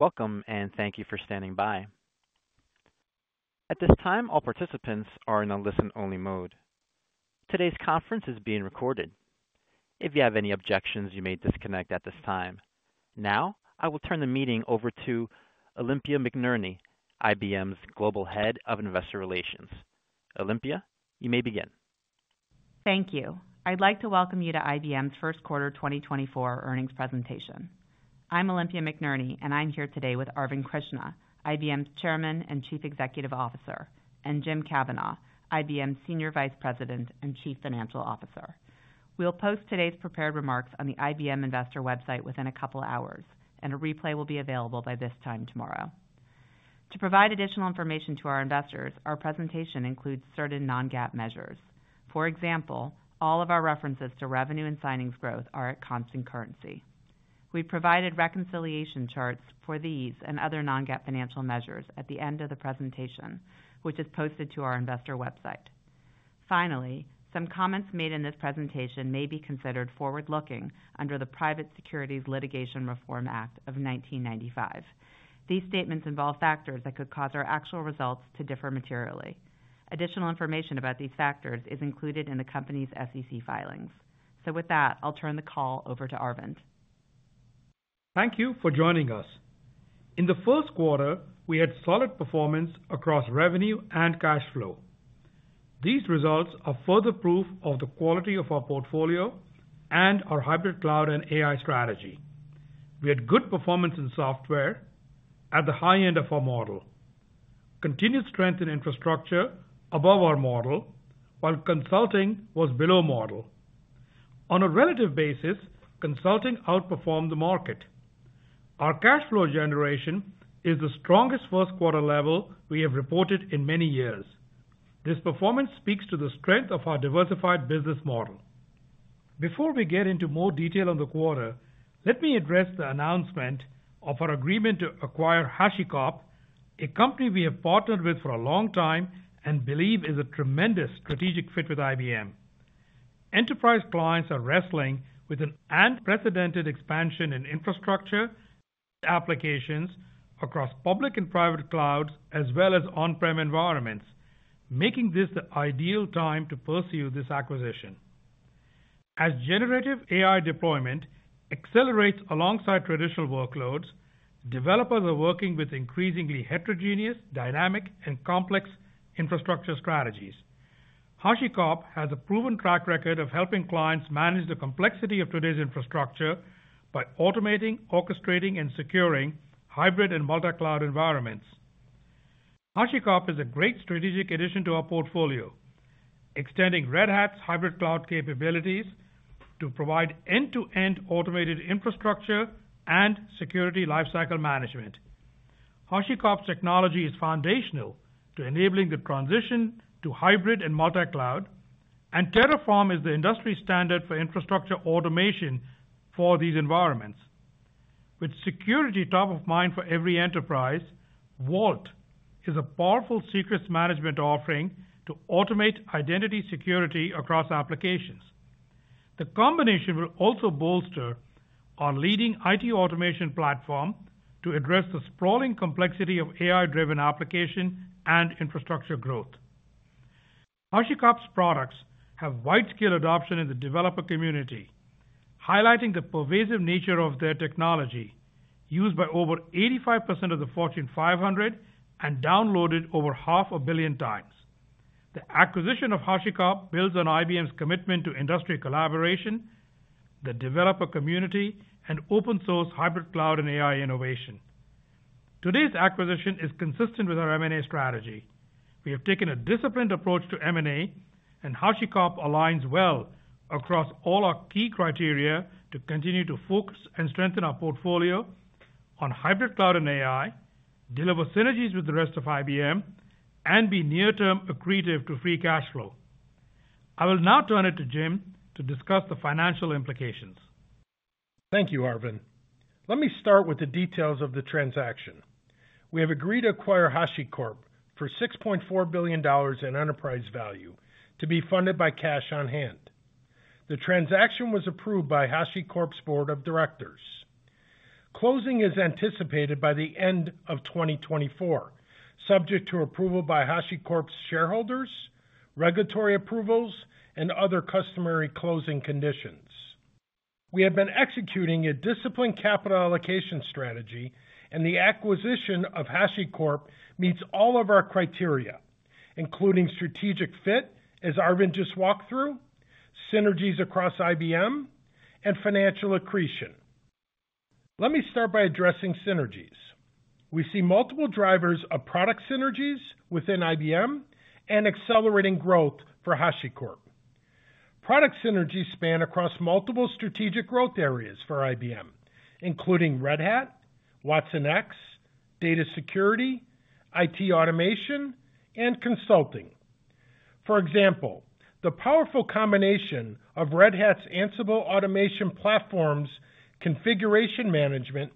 Welcome, and thank you for standing by. At this time, all participants are in a listen-only mode. Today's conference is being recorded. If you have any objections, you may disconnect at this time. Now, I will turn the meeting over to Olympia McNerney, IBM's Global Head of Investor Relations. Olympia, you may begin. Thank you. I'd like to welcome you to IBM's first quarter 2024 earnings presentation. I'm Olympia McNerney, and I'm here today with Arvind Krishna, IBM's Chairman and Chief Executive Officer, and Jim Kavanaugh, IBM's Senior Vice President and Chief Financial Officer. We'll post today's prepared remarks on the IBM Investor website within a couple of hours, and a replay will be available by this time tomorrow. To provide additional information to our investors, our presentation includes certain non-GAAP measures. For example, all of our references to revenue and signings growth are at constant currency. We provided reconciliation charts for these and other non-GAAP financial measures at the end of the presentation, which is posted to our investor website. Finally, some comments made in this presentation may be considered forward-looking under the Private Securities Litigation Reform Act of 1995. These statements involve factors that could cause our actual results to differ materially. Additional information about these factors is included in the company's SEC filings. With that, I'll turn the call over to Arvind. Thank you for joining us. In the first quarter, we had solid performance across revenue and cash flow. These results are further proof of the quality of our portfolio and our hybrid cloud and AI strategy. We had good performance in software at the high end of our model. Continued strength in infrastructure above our model, while consulting was below model. On a relative basis, consulting outperformed the market. Our cash flow generation is the strongest first quarter level we have reported in many years. This performance speaks to the strength of our diversified business model. Before we get into more detail on the quarter, let me address the announcement of our agreement to acquire HashiCorp, a company we have partnered with for a long time and believe is a tremendous strategic fit with IBM. Enterprise clients are wrestling with an unprecedented expansion in infrastructure applications across public and private clouds, as well as on-prem environments, making this the ideal time to pursue this acquisition. As generative AI deployment accelerates alongside traditional workloads, developers are working with increasingly heterogeneous, dynamic, and complex infrastructure strategies. HashiCorp has a proven track record of helping clients manage the complexity of today's infrastructure by automating, orchestrating, and securing hybrid and multi-cloud environments. HashiCorp is a great strategic addition to our portfolio, extending Red Hat's hybrid cloud capabilities to provide end-to-end automated infrastructure and security lifecycle management. HashiCorp's technology is foundational to enabling the transition to hybrid and multi-cloud, and Terraform is the industry standard for infrastructure automation for these environments. With security top of mind for every enterprise, Vault is a powerful secrets management offering to automate identity security across applications. The combination will also bolster our leading IT automation platform to address the sprawling complexity of AI-driven application and infrastructure growth. HashiCorp's products have wide-scale adoption in the developer community, highlighting the pervasive nature of their technology, used by over 85% of the Fortune 500 and downloaded over 500 million times. The acquisition of HashiCorp builds on IBM's commitment to industry collaboration, the developer community, and open source hybrid cloud and AI innovation. Today's acquisition is consistent with our M&A strategy. We have taken a disciplined approach to M&A, and HashiCorp aligns well across all our key criteria to continue to focus and strengthen our portfolio on hybrid cloud and AI, deliver synergies with the rest of IBM, and be near-term accretive to free cash flow. I will now turn it to Jim to discuss the financial implications. Thank you, Arvind. Let me start with the details of the transaction. We have agreed to acquire HashiCorp for $6.4 billion in enterprise value to be funded by cash on hand. The transaction was approved by HashiCorp's board of directors. Closing is anticipated by the end of 2024, subject to approval by HashiCorp's shareholders, regulatory approvals, and other customary closing conditions. We have been executing a disciplined capital allocation strategy, and the acquisition of HashiCorp meets all of our criteria, including strategic fit, as Arvind just walked through, synergies across IBM, and financial accretion. Let me start by addressing synergies. We see multiple drivers of product synergies within IBM and accelerating growth for HashiCorp. Product synergies span across multiple strategic growth areas for IBM, including Red Hat, watsonx, Data Security, IT Automation, and Consulting. For example, the powerful combination of Red Hat Ansible Automation Platform's configuration management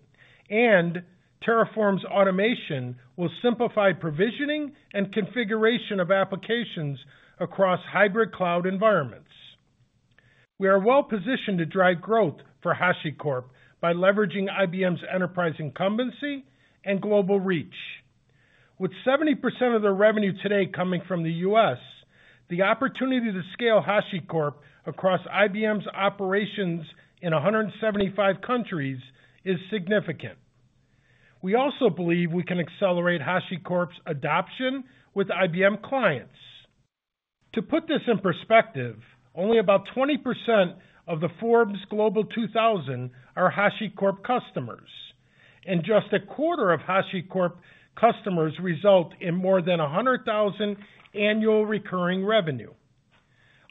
and Terraform's automation will simplify provisioning and configuration of applications across hybrid cloud environments. We are well positioned to drive growth for HashiCorp by leveraging IBM's enterprise incumbency and global reach. With 70% of their revenue today coming from the U.S., the opportunity to scale HashiCorp across IBM's operations in 175 countries is significant. We also believe we can accelerate HashiCorp's adoption with IBM clients. To put this in perspective, only about 20% of the Forbes Global 2000 are HashiCorp customers, and just a quarter of HashiCorp customers result in more than 100,000 annual recurring revenue,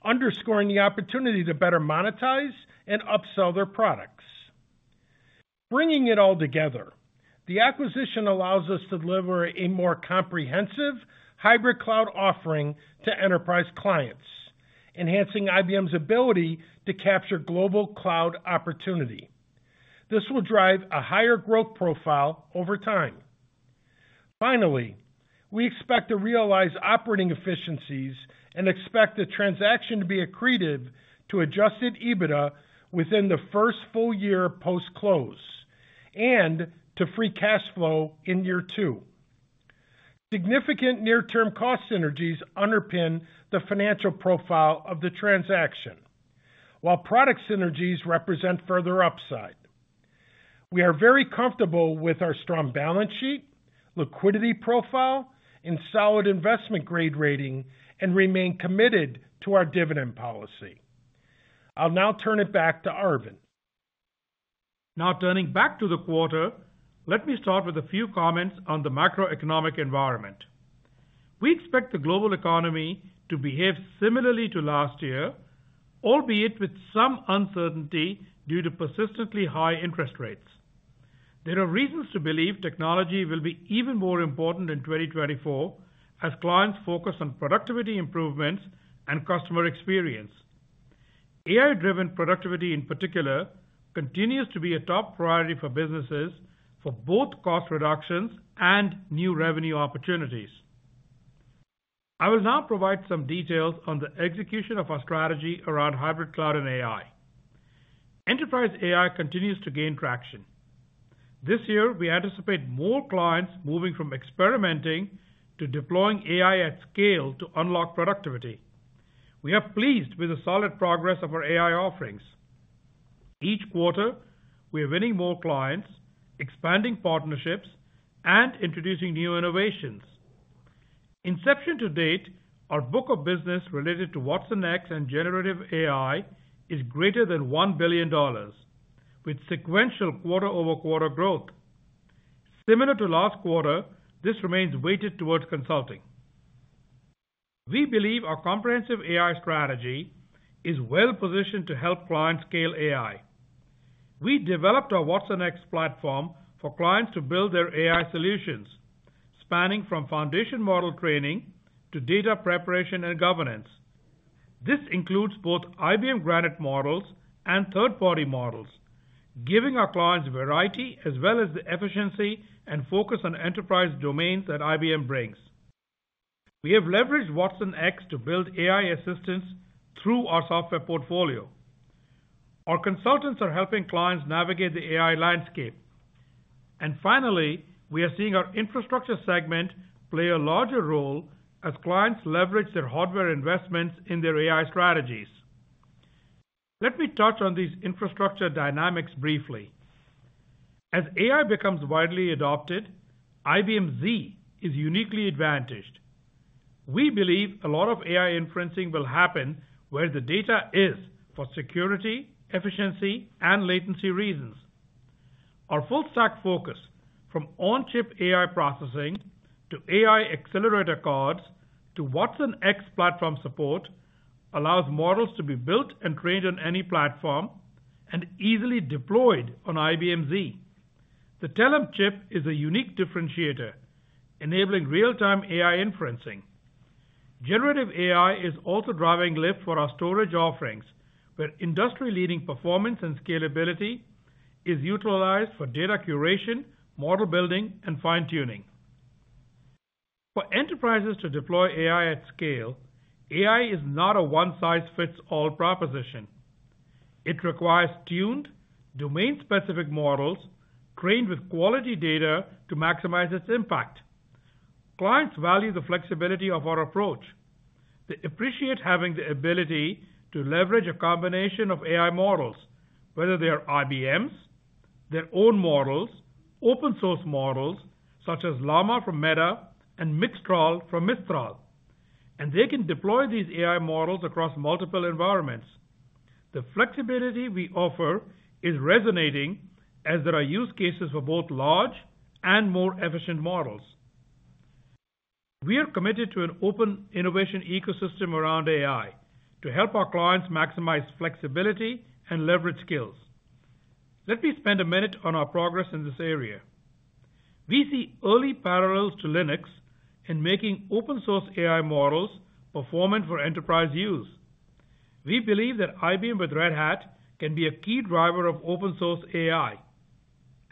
underscoring the opportunity to better monetize and upsell their products. Bringing it all together, the acquisition allows us to deliver a more comprehensive hybrid cloud offering to enterprise clients, enhancing IBM's ability to capture global cloud opportunity. This will drive a higher growth profile over time. Finally, we expect to realize operating efficiencies and expect the transaction to be accretive to adjusted EBITDA within the first full year post-close and to free cash flow in year two. Significant near-term cost synergies underpin the financial profile of the transaction, while product synergies represent further upside. We are very comfortable with our strong balance sheet, liquidity profile, and solid investment grade rating, and remain committed to our dividend policy. I'll now turn it back to Arvind. Now, turning back to the quarter, let me start with a few comments on the macroeconomic environment. We expect the global economy to behave similarly to last year, albeit with some uncertainty due to persistently high interest rates. There are reasons to believe technology will be even more important in 2024 as clients focus on productivity improvements and customer experience. AI-driven productivity, in particular, continues to be a top priority for businesses for both cost reductions and new revenue opportunities. I will now provide some details on the execution of our strategy around hybrid cloud and AI. Enterprise AI continues to gain traction. This year, we anticipate more clients moving from experimenting to deploying AI at scale to unlock productivity. We are pleased with the solid progress of our AI offerings. Each quarter, we are winning more clients, expanding partnerships, and introducing new innovations. Inception to date, our book of business related to watsonx and Generative AI is greater than $1 billion, with sequential quarter-over-quarter growth. Similar to last quarter, this remains weighted towards consulting. We believe our comprehensive AI strategy is well positioned to help clients scale AI. We developed our watsonx platform for clients to build their AI solutions, spanning from foundation model training to data preparation and governance. This includes both IBM Granite models and third-party models, giving our clients variety as well as the efficiency and focus on enterprise domains that IBM brings. We have leveraged watsonx to build AI assistance through our software portfolio. Our consultants are helping clients navigate the AI landscape. And finally, we are seeing our infrastructure segment play a larger role as clients leverage their hardware investments in their AI strategies. Let me touch on these infrastructure dynamics briefly. As AI becomes widely adopted, IBM Z is uniquely advantaged. We believe a lot of AI inferencing will happen where the data is for security, efficiency, and latency reasons. Our full stack focus, from on-chip AI processing to AI accelerator cards, to watsonx platform support, allows models to be built and trained on any platform and easily deployed on IBM Z. The Telum chip is a unique differentiator, enabling real-time AI inferencing. Generative AI is also driving lift for our storage offerings, where industry-leading performance and scalability is utilized for data curation, model building, and fine-tuning. For enterprises to deploy AI at scale, AI is not a one-size-fits-all proposition. It requires tuned, domain-specific models, trained with quality data to maximize its impact. Clients value the flexibility of our approach. They appreciate having the ability to leverage a combination of AI models, whether they are IBM's, their own models, open source models, such as Llama from Meta and Mistral from Mistral, and they can deploy these AI models across multiple environments. The flexibility we offer is resonating as there are use cases for both large and more efficient models. We are committed to an open innovation ecosystem around AI to help our clients maximize flexibility and leverage skills. Let me spend a minute on our progress in this area. We see early parallels to Linux in making open source AI models performant for enterprise use. We believe that IBM with Red Hat can be a key driver of open source AI....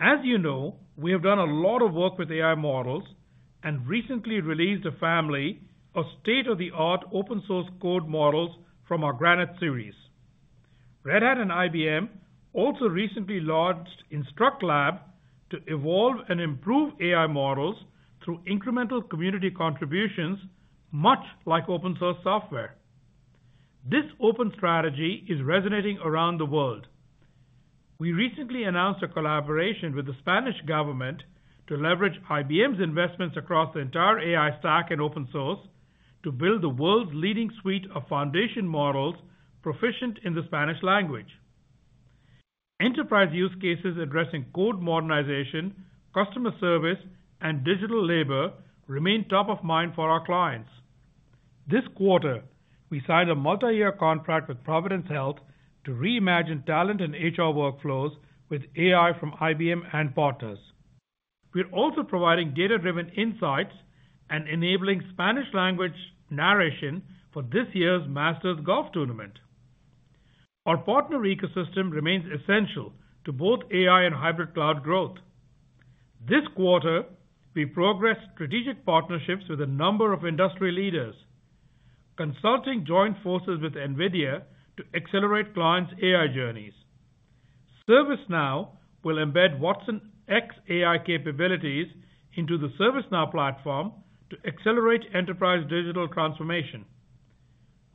As you know, we have done a lot of work with AI models, and recently released a family of state-of-the-art open source code models from our Granite series. Red Hat and IBM also recently launched InstructLab to evolve and improve AI models through incremental community contributions, much like open source software. This open strategy is resonating around the world. We recently announced a collaboration with the Spanish government to leverage IBM's investments across the entire AI stack and open source, to build the world's leading suite of foundation models proficient in the Spanish language. Enterprise use cases addressing code modernization, customer service, and digital labor remain top of mind for our clients. This quarter, we signed a multi-year contract with Providence Health to reimagine talent and HR workflows with AI from IBM and partners. We're also providing data-driven insights and enabling Spanish language narration for this year's Masters Golf Tournament. Our partner ecosystem remains essential to both AI and hybrid cloud growth. This quarter, we progressed strategic partnerships with a number of industry leaders, consulting joint forces with NVIDIA to accelerate clients' AI journeys. ServiceNow will embed watsonx AI capabilities into the ServiceNow platform to accelerate enterprise digital transformation.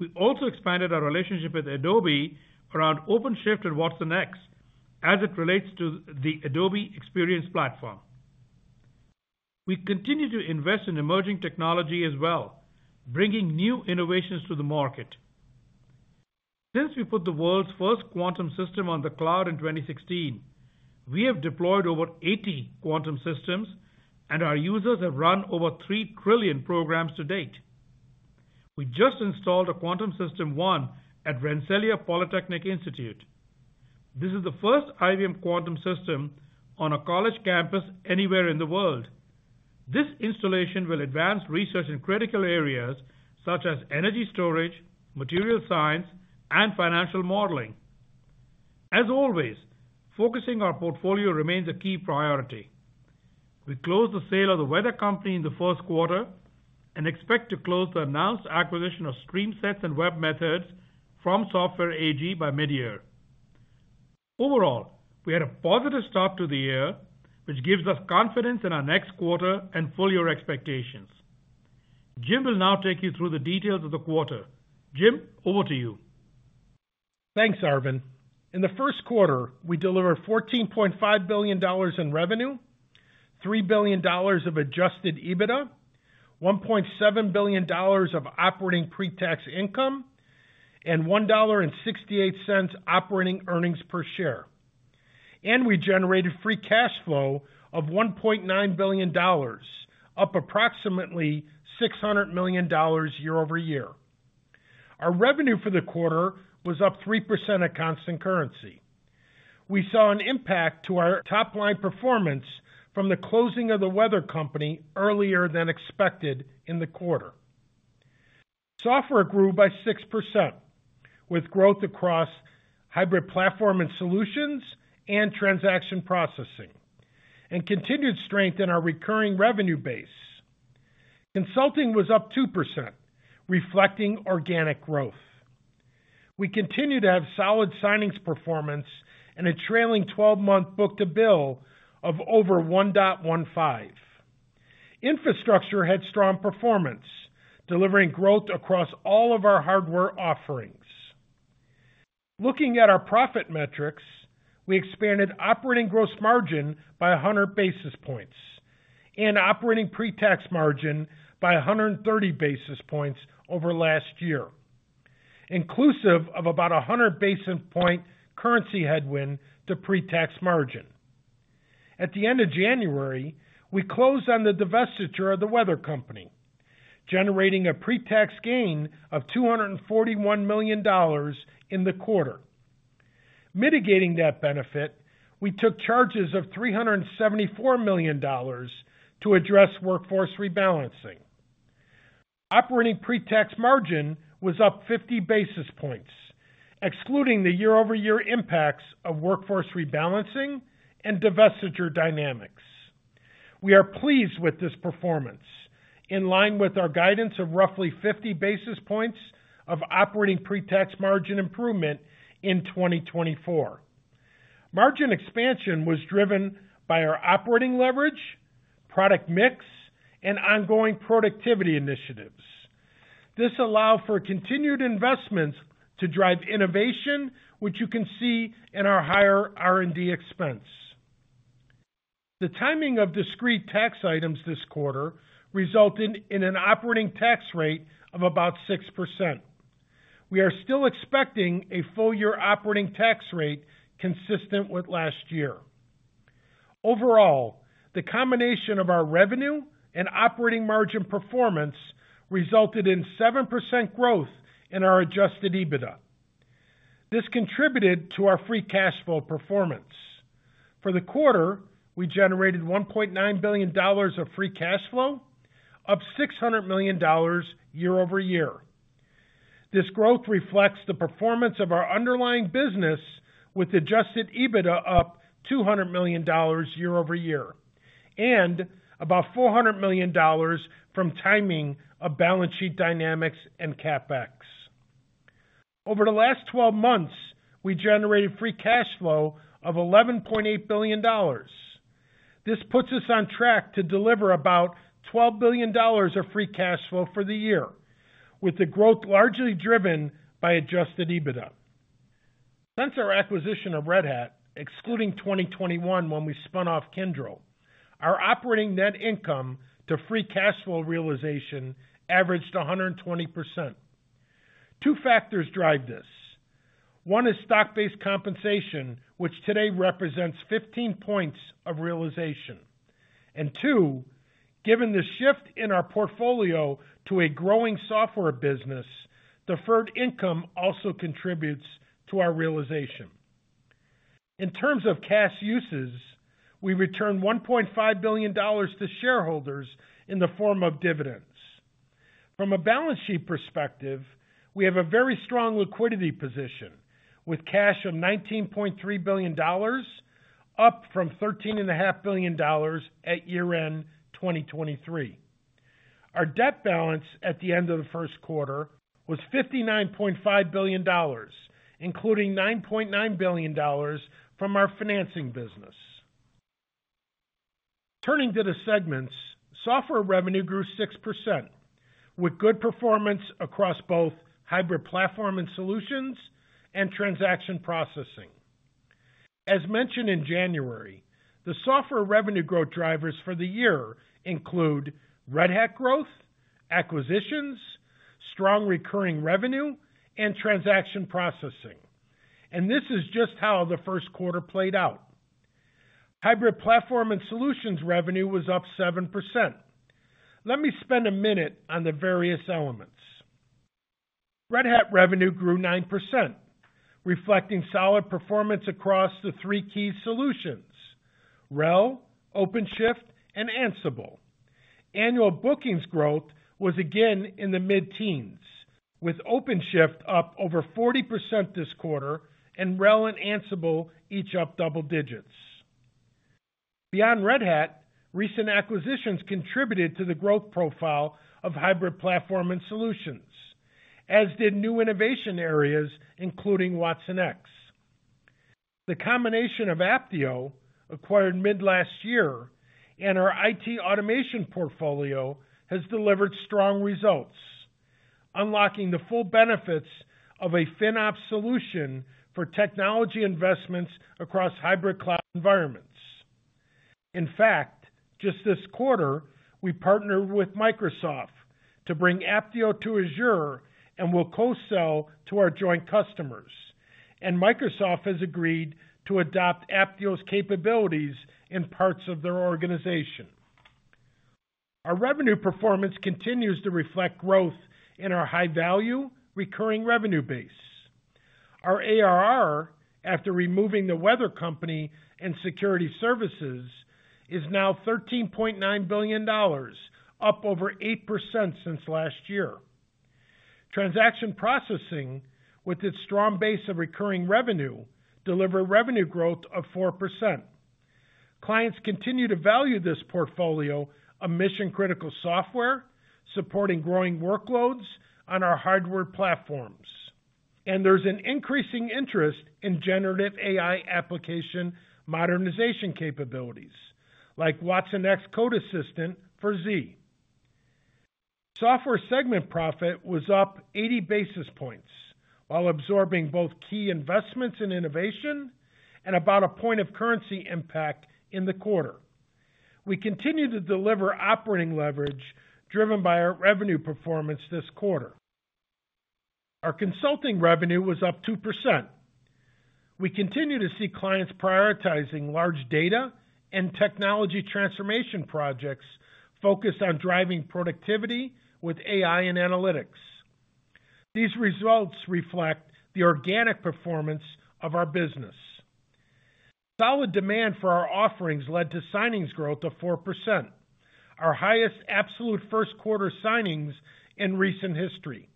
We've also expanded our relationship with Adobe around OpenShift and watsonx, as it relates to the Adobe Experience Platform. We continue to invest in emerging technology as well, bringing new innovations to the market. Since we put the world's first quantum system on the cloud in 2016, we have deployed over 80 quantum systems, and our users have run over 3 trillion programs to date. We just installed a Quantum System One at Rensselaer Polytechnic Institute. This is the first IBM quantum system on a college campus anywhere in the world. This installation will advance research in critical areas such as energy storage, material science, and financial modeling. As always, focusing our portfolio remains a key priority. We closed the sale of The Weather Company in the first quarter and expect to close the announced acquisition of StreamSets and webMethods from Software AG by mid-year. Overall, we had a positive start to the year, which gives us confidence in our next quarter and full year expectations. Jim will now take you through the details of the quarter. Jim, over to you. Thanks, Arvind. In the first quarter, we delivered $14.5 billion in revenue, $3 billion of adjusted EBITDA, $1.7 billion of operating pre-tax income, and $1.68 operating earnings per share. We generated free cash flow of $1.9 billion, up approximately $600 million year-over-year. Our revenue for the quarter was up 3% at constant currency. We saw an impact to our top-line performance from the closing of The Weather Company earlier than expected in the quarter. Software grew by 6%, with growth across hybrid platform and solutions and transaction processing, and continued strength in our recurring revenue base. Consulting was up 2%, reflecting organic growth. We continue to have solid signings performance and a trailing 12-month book-to-bill of over 1.15. Infrastructure had strong performance, delivering growth across all of our hardware offerings. Looking at our profit metrics, we expanded operating gross margin by 100 basis points and operating pre-tax margin by 130 basis points over last year, inclusive of about 100 basis point currency headwind to pre-tax margin. At the end of January, we closed on the divestiture of the Weather Company, generating a pre-tax gain of $241 million in the quarter. Mitigating that benefit, we took charges of $374 million to address workforce rebalancing. Operating pre-tax margin was up 50 basis points, excluding the year-over-year impacts of workforce rebalancing and divestiture dynamics. We are pleased with this performance, in line with our guidance of roughly 50 basis points of operating pre-tax margin improvement in 2024. Margin expansion was driven by our operating leverage, product mix, and ongoing productivity initiatives. This allows for continued investments to drive innovation, which you can see in our higher R&D expense. The timing of discrete tax items this quarter resulted in an operating tax rate of about 6%. We are still expecting a full year operating tax rate consistent with last year. Overall, the combination of our revenue and operating margin performance resulted in 7% growth in our adjusted EBITDA. This contributed to our free cash flow performance. For the quarter, we generated $1.9 billion of free cash flow, up $600 million year-over-year. This growth reflects the performance of our underlying business, with adjusted EBITDA up $200 million year-over-year, and about $400 million from timing of balance sheet dynamics and CapEx. Over the last 12 months, we generated free cash flow of $11.8 billion. This puts us on track to deliver about $12 billion of free cash flow for the year, with the growth largely driven by adjusted EBITDA. Since our acquisition of Red Hat, excluding 2021, when we spun off Kyndryl, our operating net income to free cash flow realization averaged 120%. Two factors drive this. One is stock-based compensation, which today represents 15 points of realization. And two, given the shift in our portfolio to a growing software business, deferred income also contributes to our realization. In terms of cash uses, we returned $1.5 billion to shareholders in the form of dividends. From a balance sheet perspective, we have a very strong liquidity position, with cash of $19.3 billion, up from $13.5 billion at year-end 2023. Our debt balance at the end of the first quarter was $59.5 billion, including $9.9 billion from our financing business. Turning to the segments, software revenue grew 6%, with good performance across both hybrid platform and solutions and transaction processing. As mentioned in January, the software revenue growth drivers for the year include Red Hat growth, acquisitions, strong recurring revenue, and transaction processing. And this is just how the first quarter played out. Hybrid platform and solutions revenue was up 7%. Let me spend a minute on the various elements. Red Hat revenue grew 9%, reflecting solid performance across the three key solutions: RHEL, OpenShift, and Ansible. Annual bookings growth was again in the mid-teens, with OpenShift up over 40% this quarter and RHEL and Ansible each up double digits. Beyond Red Hat, recent acquisitions contributed to the growth profile of hybrid platform and solutions, as did new innovation areas, including watsonx. The combination of Apptio, acquired mid last year, and our IT automation portfolio has delivered strong results, unlocking the full benefits of a FinOps solution for technology investments across hybrid cloud environments. In fact, just this quarter, we partnered with Microsoft to bring Apptio to Azure, and we'll cross-sell to our joint customers, and Microsoft has agreed to adopt Apptio's capabilities in parts of their organization. Our revenue performance continues to reflect growth in our high-value, recurring revenue base. Our ARR, after removing the Weather Company and security services, is now $13.9 billion, up over 8% since last year. Transaction processing, with its strong base of recurring revenue, delivered revenue growth of 4%. Clients continue to value this portfolio of mission-critical software, supporting growing workloads on our hardware platforms. And there's an increasing interest in generative AI application modernization capabilities, like watsonx Code Assistant for Z. Software segment profit was up 80 basis points while absorbing both key investments in innovation and about one point of currency impact in the quarter. We continue to deliver operating leverage driven by our revenue performance this quarter. Our consulting revenue was up 2%. We continue to see clients prioritizing large data and technology transformation projects focused on driving productivity with AI and analytics. These results reflect the organic performance of our business. Solid demand for our offerings led to signings growth of 4%, our highest absolute first quarter signings in recent history,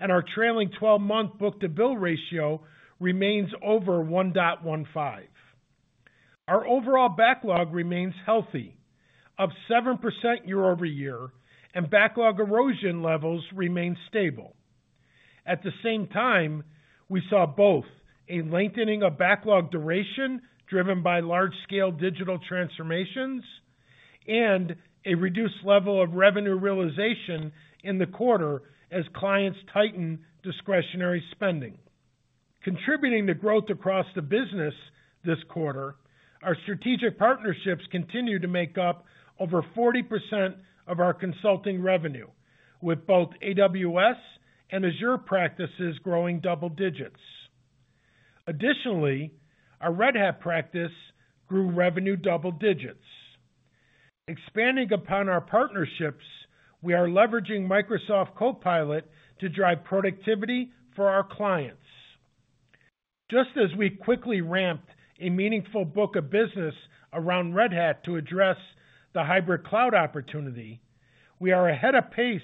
and our trailing 12-month book-to-bill ratio remains over 1.15. Our overall backlog remains healthy, up 7% year-over-year, and backlog erosion levels remain stable. At the same time, we saw both a lengthening of backlog duration, driven by large-scale digital transformations, and a reduced level of revenue realization in the quarter as clients tighten discretionary spending. Contributing to growth across the business this quarter, our strategic partnerships continue to make up over 40% of our consulting revenue, with both AWS and Azure practices growing double digits. Additionally, our Red Hat practice grew revenue double digits. Expanding upon our partnerships, we are leveraging Microsoft Copilot to drive productivity for our clients. Just as we quickly ramped a meaningful book of business around Red Hat to address the hybrid cloud opportunity, we are ahead of pace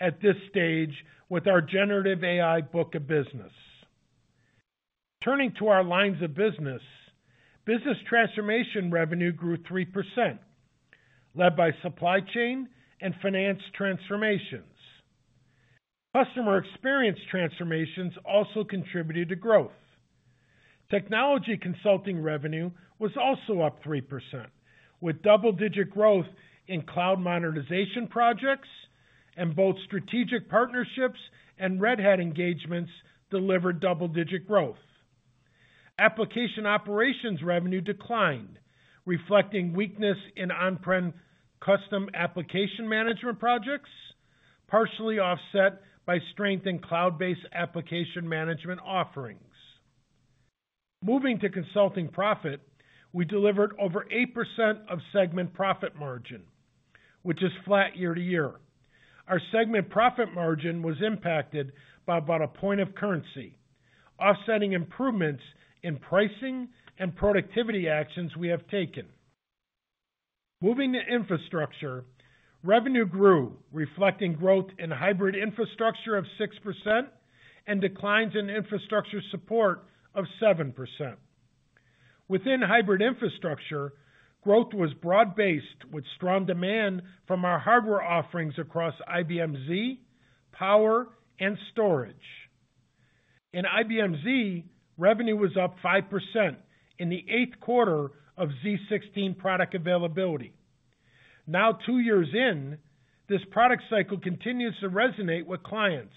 at this stage with our generative AI book of business. Turning to our lines of business, business transformation revenue grew 3%, led by supply chain and finance transformations. Customer experience transformations also contributed to growth. Technology consulting revenue was also up 3%, with double-digit growth in cloud modernization projects, and both strategic partnerships and Red Hat engagements delivered double-digit growth. Application operations revenue declined, reflecting weakness in on-prem custom application management projects, partially offset by strength in cloud-based application management offerings. Moving to consulting profit, we delivered over 8% of segment profit margin, which is flat year-to-year. Our segment profit margin was impacted by about one point of currency, offsetting improvements in pricing and productivity actions we have taken. Moving to infrastructure, revenue grew, reflecting growth in hybrid infrastructure of 6% and declines in infrastructure support of 7%. Within hybrid infrastructure, growth was broad-based, with strong demand from our hardware offerings across IBM Z, Power, and Storage. In IBM Z, revenue was up 5% in the eighth quarter of Z16 product availability. Now, two years in, this product cycle continues to resonate with clients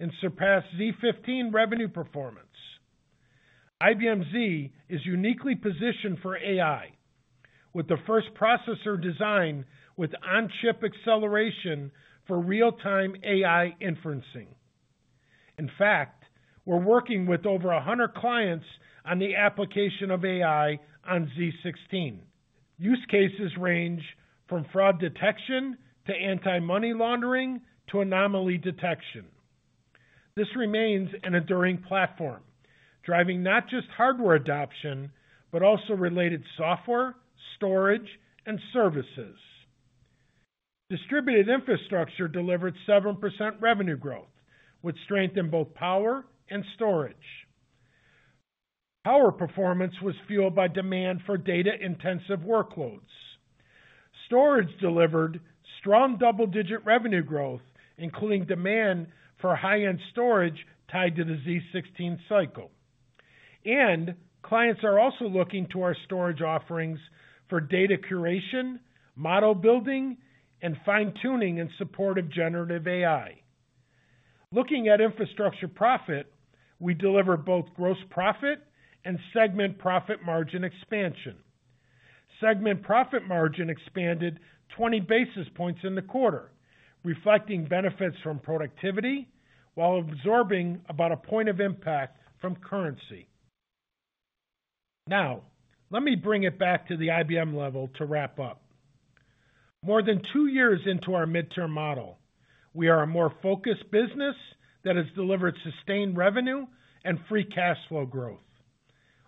and surpass Z15 revenue performance. IBM Z is uniquely positioned for AI, with the first processor design, with on-chip acceleration for real-time AI inferencing. In fact, we're working with over 100 clients on the application of AI on Z16. Use cases range from fraud detection to anti-money laundering to anomaly detection. This remains an enduring platform, driving not just hardware adoption, but also related software, storage, and services. Distributed infrastructure delivered 7% revenue growth, with strength in both Power and Storage. Power performance was fueled by demand for data-intensive workloads. Storage delivered strong double-digit revenue growth, including demand for high-end storage tied to the Z16 cycle. Clients are also looking to our storage offerings for data curation, model building, and fine-tuning in support of generative AI. Looking at infrastructure profit, we deliver both gross profit and segment profit margin expansion. Segment profit margin expanded 20 basis points in the quarter, reflecting benefits from productivity while absorbing about one point of impact from currency. Now, let me bring it back to the IBM level to wrap up. More than two years into our midterm model, we are a more focused business that has delivered sustained revenue and free cash flow growth.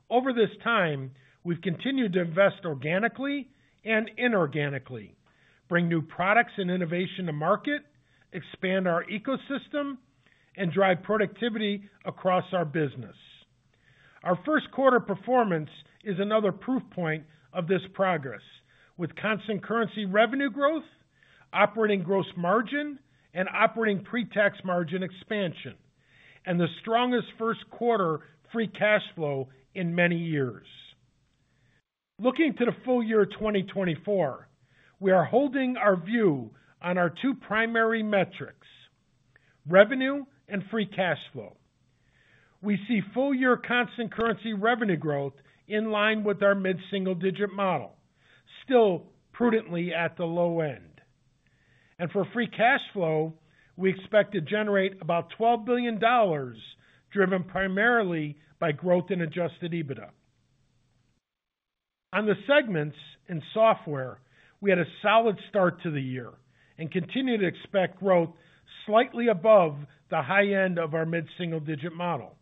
Over this time, we've continued to invest organically and inorganically, bring new products and innovation to market, expand our ecosystem, and drive productivity across our business. Our first quarter performance is another proof point of this progress, with constant currency revenue growth, operating gross margin, and operating pre-tax margin expansion, and the strongest first quarter free cash flow in many years. Looking to the full year, 2024, we are holding our view on our two primary metrics, revenue and free cash flow. We see full-year constant currency revenue growth in line with our mid-single digit model, still prudently at the low end. For free cash flow, we expect to generate about $12 billion, driven primarily by growth in adjusted EBITDA. On the segments in software, we had a solid start to the year and continue to expect growth slightly above the high end of our mid-single-digit model.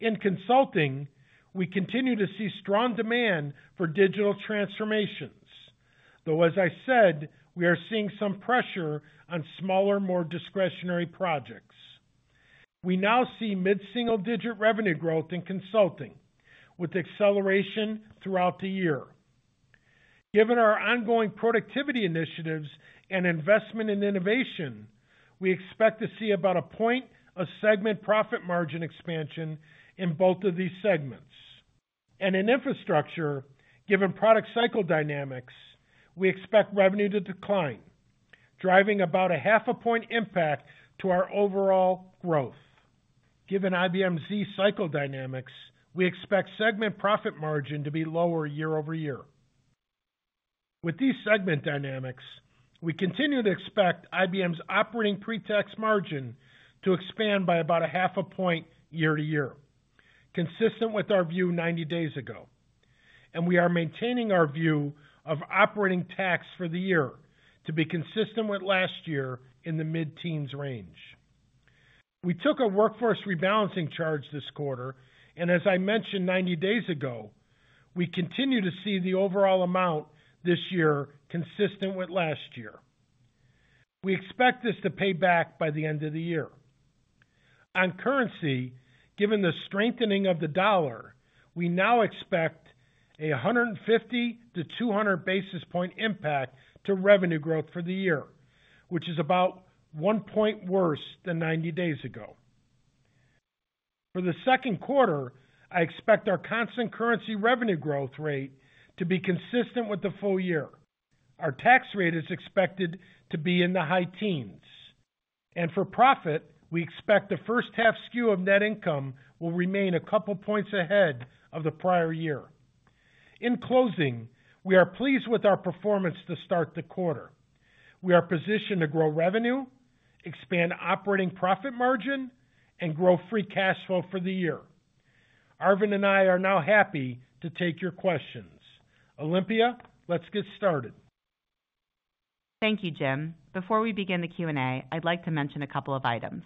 In consulting, we continue to see strong demand for digital transformations, though, as I said, we are seeing some pressure on smaller, more discretionary projects. We now see mid-single-digit revenue growth in consulting, with acceleration throughout the year. Given our ongoing productivity initiatives and investment in innovation, we expect to see about a point, a segment profit margin expansion in both of these segments. In infrastructure, given product cycle dynamics, we expect revenue to decline, driving about a half a point impact to our overall growth. Given IBM Z cycle dynamics, we expect segment profit margin to be lower year-over-year. With these segment dynamics, we continue to expect IBM's operating pre-tax margin to expand by about 0.5 point year-over-year, consistent with our view 90 days ago.... and we are maintaining our view of operating tax for the year to be consistent with last year in the mid-teens range. We took a workforce rebalancing charge this quarter, and as I mentioned 90 days ago, we continue to see the overall amount this year consistent with last year. We expect this to pay back by the end of the year. On currency, given the strengthening of the US dollar, we now expect a 150-200 basis point impact to revenue growth for the year, which is about one point worse than 90 days ago. For the second quarter, I expect our constant currency revenue growth rate to be consistent with the full year. Our tax rate is expected to be in the high teens, and for profit, we expect the first half of net income will remain a couple points ahead of the prior year. In closing, we are pleased with our performance to start the quarter. We are positioned to grow revenue, expand operating profit margin, and grow free cash flow for the year. Arvind and I are now happy to take your questions. Olympia, let's get started. Thank you, Jim. Before we begin the Q&A, I'd like to mention a couple of items.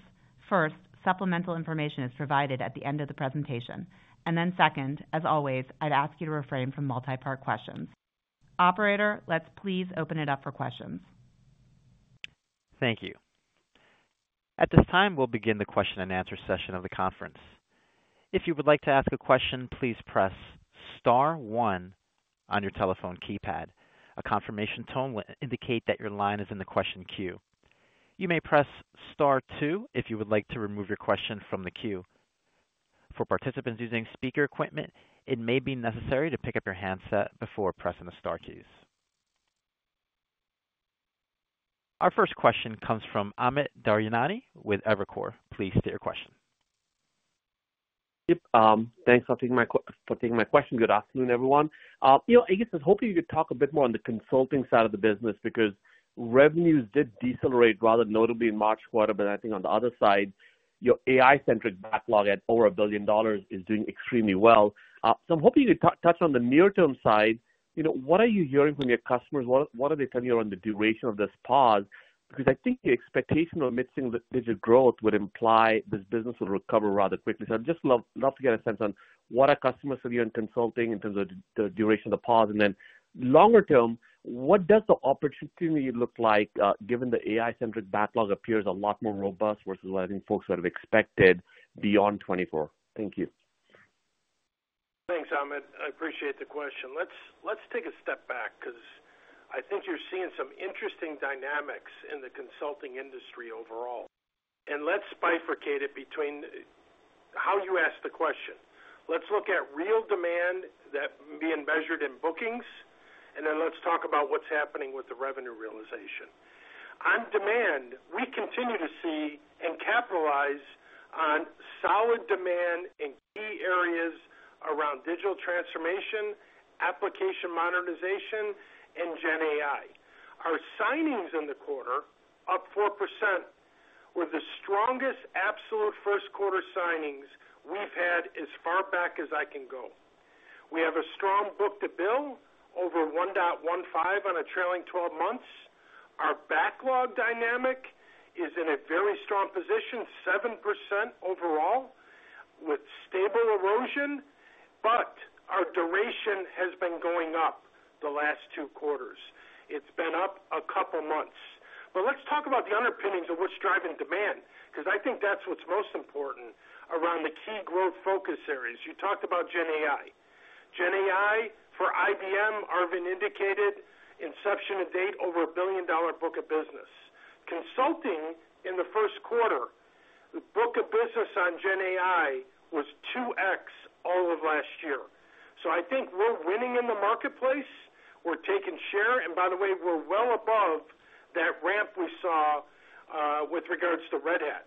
First, supplemental information is provided at the end of the presentation, and then second, as always, I'd ask you to refrain from multi-part questions. Operator, let's please open it up for questions. Thank you. At this time, we'll begin the question and answer session of the conference. If you would like to ask a question, please press star one on your telephone keypad. A confirmation tone will indicate that your line is in the question queue. You may press star two if you would like to remove your question from the queue. For participants using speaker equipment, it may be necessary to pick up your handset before pressing the star keys. Our first question comes from Amit Daryanani with Evercore. Please state your question. Yep, thanks for taking my question. Good afternoon, everyone. You know, I guess I was hoping you could talk a bit more on the consulting side of the business, because revenues did decelerate rather notably in March quarter. But I think on the other side, your AI-centric backlog at over $1 billion is doing extremely well. So I'm hoping you could touch on the near-term side. You know, what are you hearing from your customers? What, what are they telling you on the duration of this pause? Because I think the expectation of mid-single digit growth would imply this business will recover rather quickly. So I'd just love, love to get a sense on what are customers telling you in consulting in terms of the duration of the pause, and then longer term, what does the opportunity look like, given the AI-centric backlog appears a lot more robust versus what I think folks would have expected beyond 2024? Thank you. Thanks, Amit. I appreciate the question. Let's, let's take a step back, because I think you're seeing some interesting dynamics in the consulting industry overall, and let's bifurcate it between how you ask the question. Let's look at real demand that being measured in bookings, and then let's talk about what's happening with the revenue realization. On demand, we continue to see and capitalize on solid demand in key areas around digital transformation, application modernization, and GenAI. Our signings in the quarter, up 4%, were the strongest absolute first quarter signings we've had as far back as I can go. We have a strong book-to-bill over 1.15 on a trailing 12 months. Our backlog dynamic is in a very strong position, 7% overall, with stable erosion, but our duration has been going up the last two quarters. It's been up a couple months. Let's talk about the underpinnings of what's driving demand, because I think that's what's most important around the key growth focus areas. You talked about GenAI. GenAI, for IBM, Arvind indicated, inception to date, over a $1 billion book of business. Consulting in the first quarter, the book of business on GenAI was 2x all of last year. So I think we're winning in the marketplace, we're taking share, and by the way, we're well above that ramp we saw with regards to Red Hat.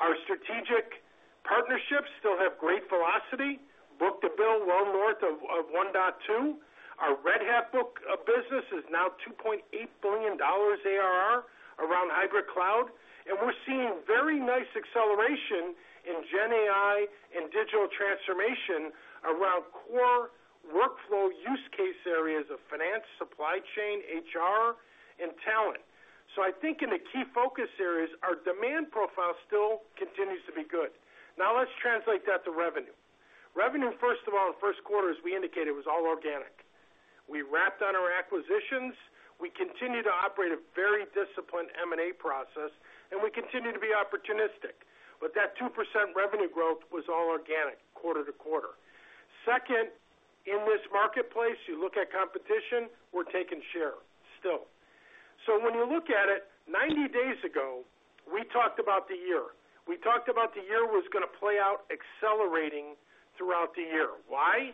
Our strategic partnerships still have great velocity, book to bill well north of 1.2. Our Red Hat book of business is now $2.8 billion ARR around hybrid cloud, and we're seeing very nice acceleration in GenAI and digital transformation around core workflow use case areas of finance, supply chain, HR, and talent. So I think in the key focus areas, our demand profile still continues to be good. Now let's translate that to revenue. Revenue, first of all, the first quarter, as we indicated, was all organic. We wrapped on our acquisitions, we continue to operate a very disciplined M&A process, and we continue to be opportunistic. But that 2% revenue growth was all organic quarter to quarter. Second, in this marketplace, you look at competition, we're taking share still. So when you look at it, 90 days ago, we talked about the year. We talked about the year was going to play out accelerating throughout the year. Why?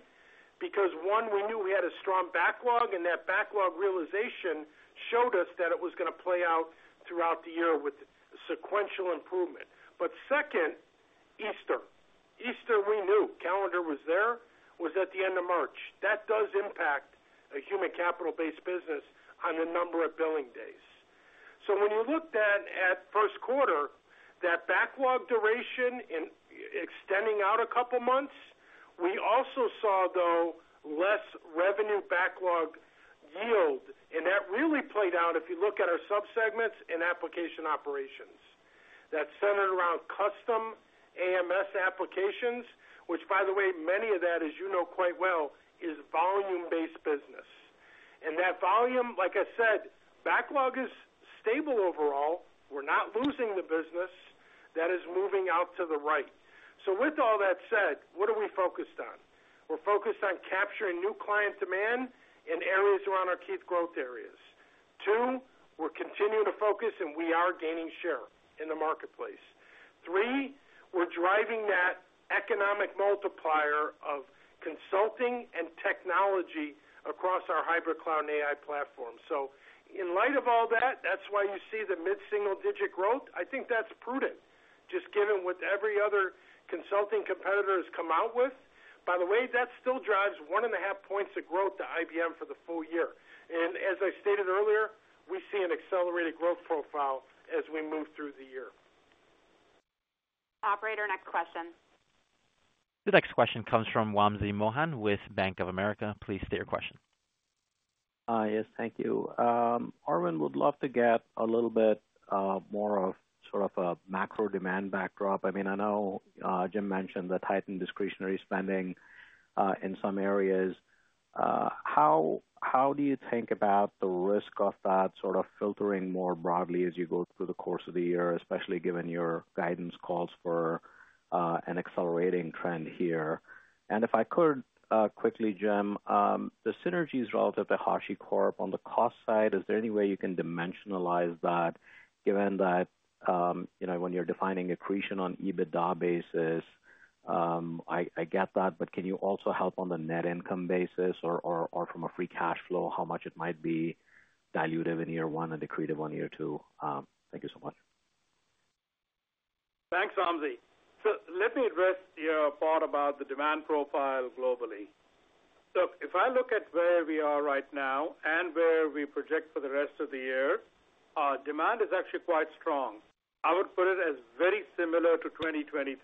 Because, one, we knew we had a strong backlog, and that backlog realization showed us that it was going to play out throughout the year with sequential improvement. But second, Easter. Easter, we knew, calendar was there, was at the end of March. That does impact a human capital-based business on the number of billing days.... So when you looked at first quarter, that backlog duration in extending out a couple of months, we also saw, though, less revenue backlog yield, and that really played out if you look at our subsegments in application operations. That's centered around custom AMS applications, which, by the way, many of that, as you know quite well, is volume-based business. And that volume, like I said, backlog is stable overall. We're not losing the business that is moving out to the right. So with all that said, what are we focused on? We're focused on capturing new client demand in areas around our key growth areas. Two, we're continuing to focus, and we are gaining share in the marketplace. Three, we're driving that economic multiplier of consulting and technology across our hybrid cloud and AI platform. In light of all that, that's why you see the mid-single-digit growth. I think that's prudent, just given what every other consulting competitor has come out with. By the way, that still drives 1.5 points of growth to IBM for the full year. As I stated earlier, we see an accelerated growth profile as we move through the year. Operator, next question. The next question comes from Wamsi Mohan with Bank of America. Please state your question. Hi, yes, thank you. Arvind, would love to get a little bit more of sort of a macro demand backdrop. I mean, I know Jim mentioned the tightened discretionary spending in some areas. How do you think about the risk of that sort of filtering more broadly as you go through the course of the year, especially given your guidance calls for an accelerating trend here? And if I could quickly, Jim, the synergies relative to HashiCorp on the cost side, is there any way you can dimensionalize that given that you know, when you're defining accretion on EBITDA basis, I get that, but can you also help on the net income basis or from a free cash flow, how much it might be dilutive in year one and accretive on year two? Thank you so much. Thanks, Wamsi. Let me address your part about the demand profile globally. If I look at where we are right now and where we project for the rest of the year, our demand is actually quite strong. I would put it as very similar to 2023.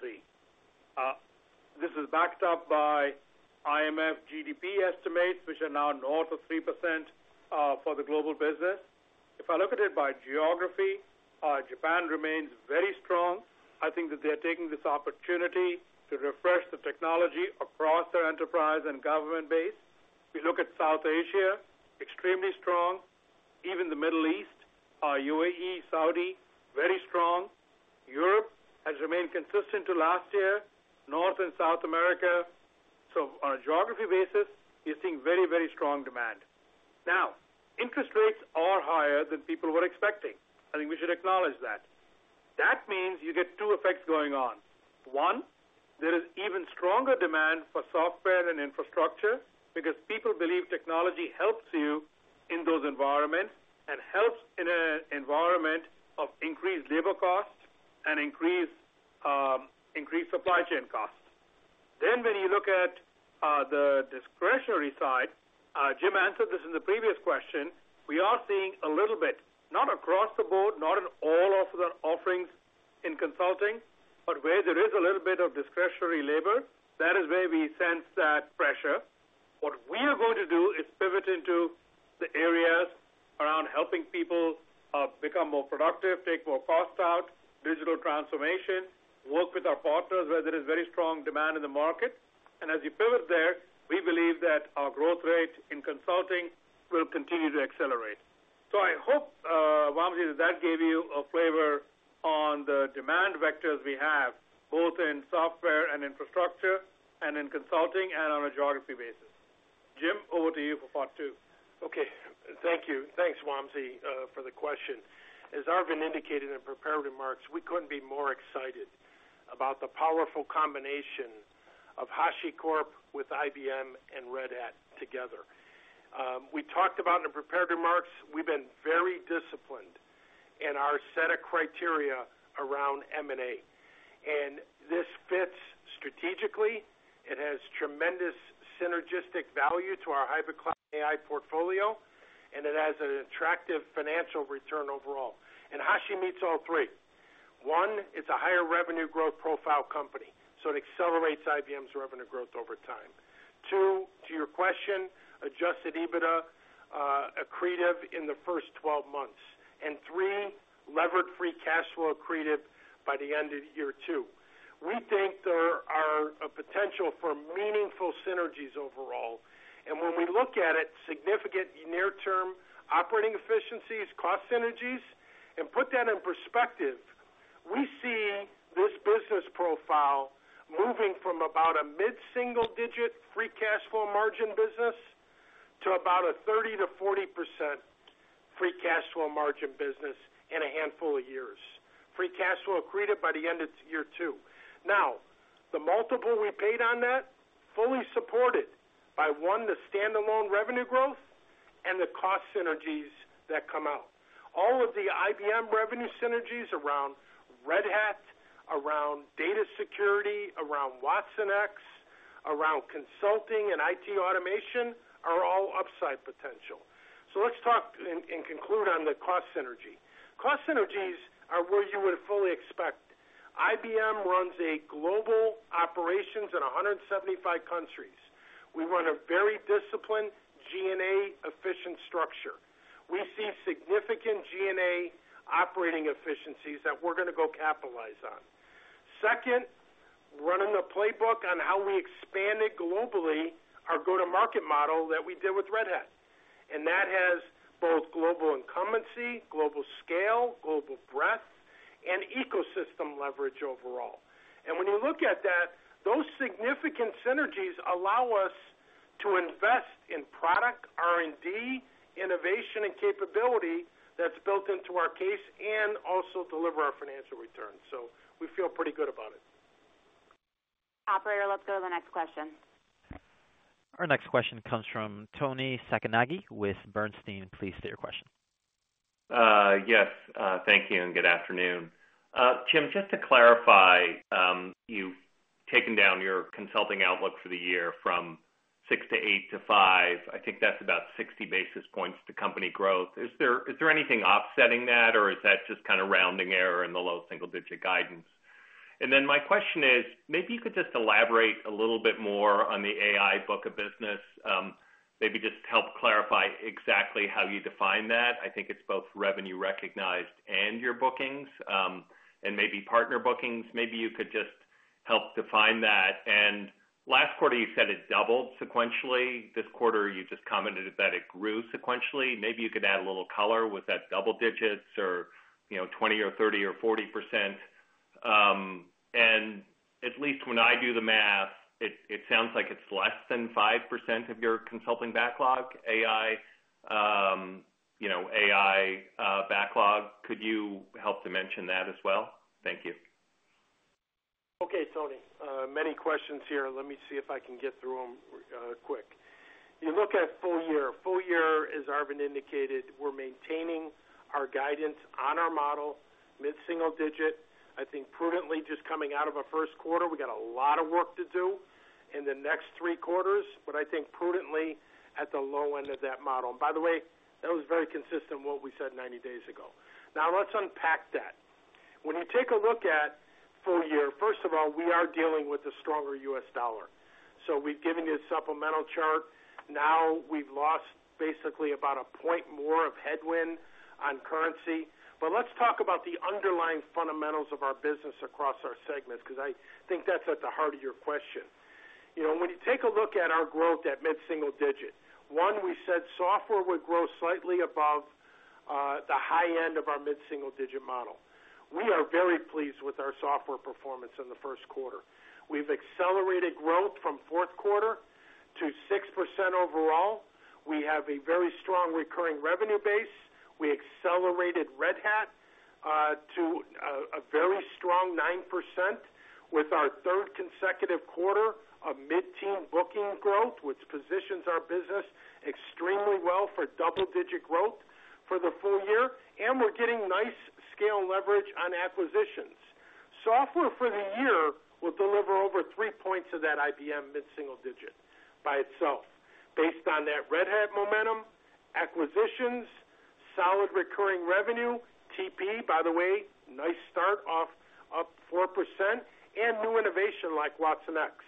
This is backed up by IMF GDP estimates, which are now north of 3%, for the global business. If I look at it by geography, Japan remains very strong. I think that they are taking this opportunity to refresh the technology across their enterprise and government base. We look at South Asia, extremely strong, even the Middle East, our U.A.E., Saudi, very strong. Europe has remained consistent to last year, North and South America. On a geography basis, you're seeing very, very strong demand. Now, interest rates are higher than people were expecting. I think we should acknowledge that. That means you get two effects going on. One, there is even stronger demand for software and infrastructure because people believe technology helps you in those environments and helps in an environment of increased labor costs and increased, increased supply chain costs. Then when you look at the discretionary side, Jim answered this in the previous question, we are seeing a little bit, not across the board, not in all of the offerings in consulting, but where there is a little bit of discretionary labor, that is where we sense that pressure. What we are going to do is pivot into the areas around helping people become more productive, take more costs out, digital transformation, work with our partners, where there is very strong demand in the market. As you pivot there, we believe that our growth rate in consulting will continue to accelerate. I hope, Wamsi, that that gave you a flavor on the demand vectors we have, both in software and infrastructure and in consulting and on a geography basis. Jim, over to you for part two. Okay, thank you. Thanks, Wamsi, for the question. As Arvind indicated in prepared remarks, we couldn't be more excited about the powerful combination of HashiCorp with IBM and Red Hat together. We talked about in the prepared remarks, we've been very disciplined in our set of criteria around M&A, and this fits strategically. It has tremendous synergistic value to our hybrid cloud AI portfolio, and it has an attractive financial return overall. And Hashi meets all three. One, it's a higher revenue growth profile company, so it accelerates IBM's revenue growth over time. Two, to your question, adjusted EBITDA accretive in the first 12 months, and three, levered free cash flow accretive by the end of year two. We think there are a potential for meaningful synergies overall, and when we look at it, significant near-term operating efficiencies, cost synergies, and put that in perspective, we see this business profile moving from about a mid-single-digit free cash flow margin business to about a 30%-40% free cash flow margin business in a handful of years. Free cash flow accretive by the end of year two. Now, the multiple we paid on that, fully supported by, one, the standalone revenue growth and the cost synergies that come out. All of the IBM revenue synergies around Red Hat, around data security, around watsonx... around consulting and IT automation are all upside potential. So let's talk and, and conclude on the cost synergy. Cost synergies are where you would fully expect. IBM runs a global operations in 175 countries. We run a very disciplined G&A efficient structure. We see significant G&A operating efficiencies that we're going to go capitalize on. Second, running the playbook on how we expand it globally, our go-to-market model that we did with Red Hat, and that has both global incumbency, global scale, global breadth, and ecosystem leverage overall. And when you look at that, those significant synergies allow us to invest in product, R&D, innovation, and capability that's built into our case and also deliver our financial return. So we feel pretty good about it. Operator, let's go to the next question. Our next question comes from Tony Sacconaghi with Bernstein. Please state your question. Yes, thank you, and good afternoon. Jim, just to clarify, you've taken down your consulting outlook for the year from six to eigh to five. I think that's about 60 basis points to company growth. Is there, is there anything offsetting that, or is that just kind of rounding error in the low single-digit guidance? And then my question is, maybe you could just elaborate a little bit more on the AI book of business, maybe just help clarify exactly how you define that. I think it's both revenue recognized and your bookings, and maybe partner bookings. Maybe you could just help define that. And last quarter, you said it doubled sequentially. This quarter, you just commented that it grew sequentially. Maybe you could add a little color. Was that double digits or, you know, 20% or 30% or 40%? At least when I do the math, it sounds like it's less than 5% of your consulting backlog, AI, you know, AI backlog. Could you help to mention that as well? Thank you. Okay, Tony, many questions here. Let me see if I can get through them, quick. You look at full year. Full year, as Arvind indicated, we're maintaining our guidance on our model, mid-single digit. I think prudently, just coming out of a first quarter, we got a lot of work to do in the next three quarters, but I think prudently at the low end of that model. And by the way, that was very consistent with what we said 90 days ago. Now, let's unpack that. When you take a look at full year, first of all, we are dealing with a stronger US dollar. So we've given you a supplemental chart. Now, we've lost basically about a point more of headwind on currency. But let's talk about the underlying fundamentals of our business across our segments, because I think that's at the heart of your question. You know, when you take a look at our growth at mid-single digit, one, we said software would grow slightly above the high end of our mid-single digit model. We are very pleased with our software performance in the first quarter. We've accelerated growth from fourth quarter to 6% overall. We have a very strong recurring revenue base. We accelerated Red Hat to a very strong 9% with our third consecutive quarter of mid-teen booking growth, which positions our business extremely well for double-digit growth for the full year, and we're getting nice scale leverage on acquisitions. Software for the year will deliver over three points of that IBM mid-single digit by itself. Based on that Red Hat momentum, acquisitions, solid recurring revenue, TP, by the way, nice start off, up 4%, and new innovation like watsonx.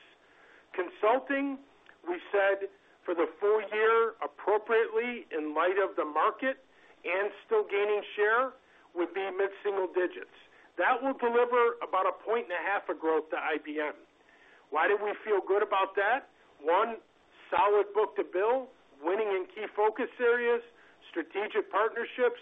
Consulting, we said, for the full year, appropriately, in light of the market and still gaining share, would be mid-single digits. That will deliver about 1.5 points of growth to IBM. Why do we feel good about that? One, solid book-to-bill, winning in key focus areas, strategic partnerships,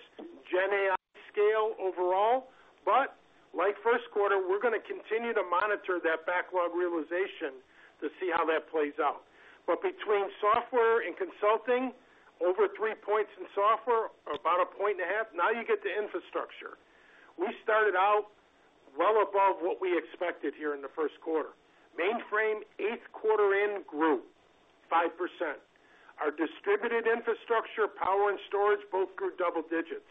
GenAI scale overall. But like first quarter, we're going to continue to monitor that backlog realization to see how that plays out. But between software and consulting, over three points in software, about 1.5 points, now you get to infrastructure. We started out well above what we expected here in the first quarter. Mainframe, eighth quarter in, grew 5%. Our distributed infrastructure, Power and storage, both grew double digits,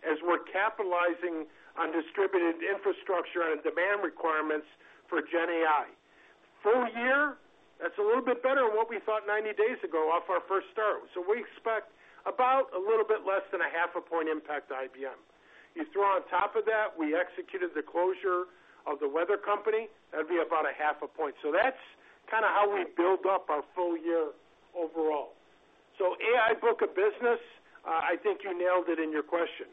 as we're capitalizing on distributed infrastructure and demand requirements for GenAI. Full year, that's a little bit better than what we thought 90 days ago off our first start. So we expect about a little bit less than a half a point impact to IBM. You throw on top of that, we executed the closure of The Weather Company, that'd be about a half a point. So that's kind of how we build up our full year overall. So AI book of business, I think you nailed it in your question.